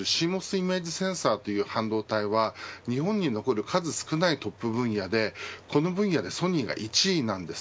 イメージセンサーという半導体は日本に残る数少ないトップ分野でこの分野でソニーが１位なんです。